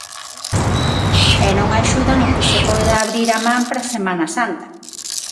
E non axudan a que se poida abrir a man para a Semana Santa.